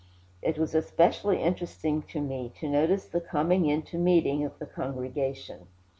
It was especially interesting to me to notice the coming in to meeting of the congregation.